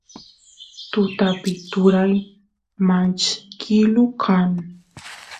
tutapi turay manchkilu kan